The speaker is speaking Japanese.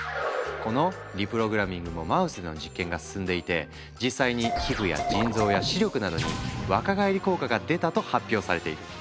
このリプログラミングもマウスでの実験が進んでいて実際に皮膚や腎臓や視力などに若返り効果が出たと発表されている。